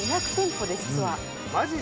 マジで？